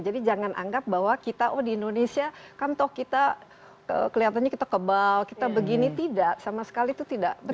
jadi jangan anggap bahwa kita oh di indonesia kan toh kita kelihatannya kita kebal kita begini tidak sama sekali itu tidak betul